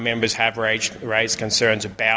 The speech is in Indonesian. pemimpin kami telah menarik kesabaran